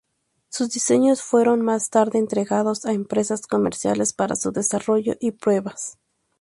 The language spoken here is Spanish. Sus diseños fueron más tarde entregados a empresas comerciales para su desarrollo y pruebas.